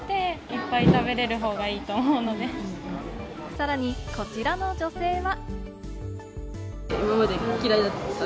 さらにこちらの女性は。